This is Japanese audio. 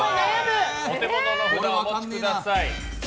お手元の札をお持ちください。